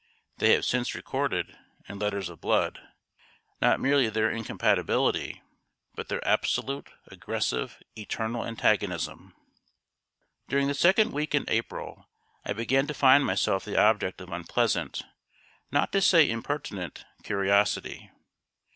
They have since recorded, in letters of blood, not merely their incompatibility, but their absolute, aggressive, eternal antagonism. During the second week in April, I began to find myself the object of unpleasant, not to say impertinent, curiosity.